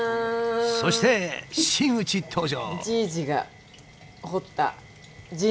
そして真打ち登場！